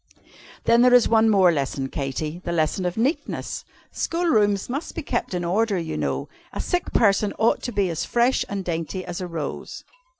"Then, there is one more lesson, Katy the lesson of Neatness. School rooms must be kept in order, you know. A sick person ought to be as fresh and dainty as a rose."